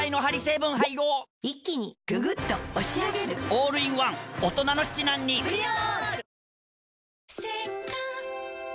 オールインワン大人の七難に「プリオール」